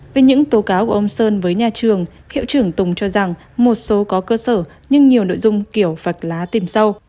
về những tố cáo của ông sơn với nhà trường hiệu trưởng tùng cho rằng một số có cơ sở nhưng nhiều nội dung kiểu vạch lá tìm sâu